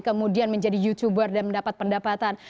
kemudian menjadi youtuber dan mendapat pendapatan